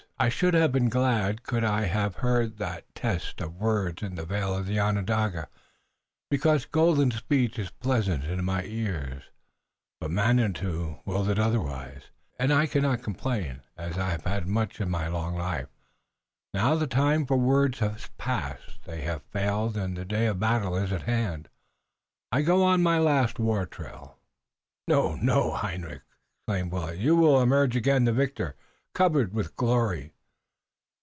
I should have been glad could I have heard that test of words in the Vale of Onondaga, because golden speech is pleasant in my ears, but Manitou willed it otherwise, and I cannot complain, as I have had much in my long life. Now the time for words has passed. They have failed and the day of battle is at hand. I go on my last war trail." "No! No, Hendrik!" exclaimed Willet. "You will emerge again the victor, covered with glory."